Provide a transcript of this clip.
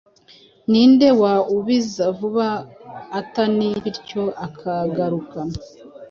Ninde waubiza vuba atani bityo akagaruka